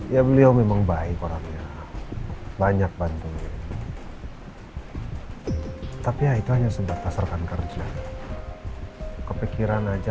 ya beliau memang baik orangnya banyak bantuin tapi ya itu hanya sebatas serkan kerja ke pikiran aja